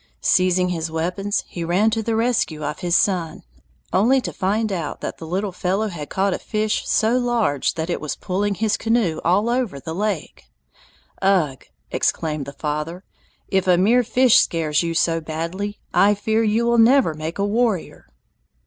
Seizing his weapons, he ran to the rescue of his son, only to find that the little fellow had caught a fish so large that it was pulling his canoe all over the lake. "Ugh," exclaimed the father, "if a mere fish scares you so badly, I fear you will never make a warrior!"